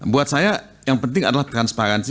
buat saya yang penting adalah transparansi